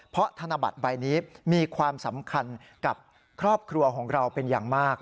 เพราะธนบัตรใบนี้มีความสำคัญกับครอบครัวของเราเป็นอย่างมาก